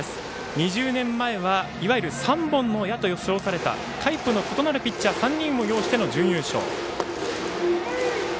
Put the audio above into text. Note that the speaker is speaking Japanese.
２０年前はいわゆる三本の矢と称されたタイプの異なるピッチャー３人を擁しての準優勝。